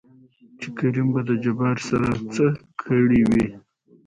چې کريم به د جبار سره څه کړې وي؟